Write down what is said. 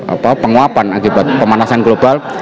apa penguapan akibat pemanasan global